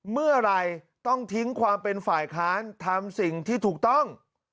เมื่อไหร่ต้องทิ้งความเป็นฝ่ายค้านทำสิ่งที่ถูกต้อง